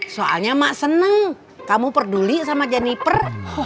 soalnya mak senang kamu peduli sama jenniper